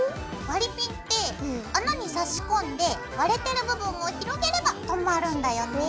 割りピンって穴に差し込んで割れてる部分を広げればとまるんだよね。